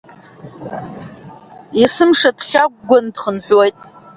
Есымша дхьагәгәан дхынҳәуеит…